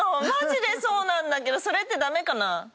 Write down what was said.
マジでそうなんだけどそれって駄目かな？